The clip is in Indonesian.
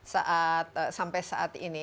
saat sampai saat ini